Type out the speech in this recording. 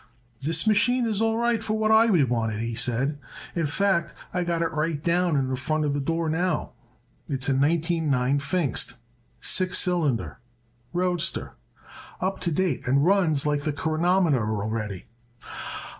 "This machine is all right for what I would want it," he said. "In fact, I got it right down in front of the door now. It's a nineteen nine Pfingst, six cylinder roadster up to date and runs like a chronometer already."